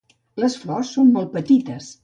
Les flors són molt petites.